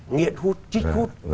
nghiện hút chích hút